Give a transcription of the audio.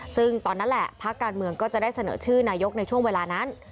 ซึ่งตอนนั้นแหละภาคการเมืองก็จะได้เสนอชื่อนายกในช่วงเวลานั้น